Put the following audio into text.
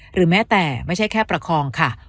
หรือแม้แต่ไม่ใช่แค่ประคองค่ะ